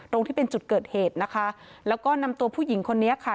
ตรงที่เป็นจุดเกิดเหตุนะคะแล้วก็นำตัวผู้หญิงคนนี้ค่ะ